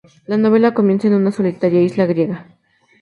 La novela comienza en una solitaria isla griega.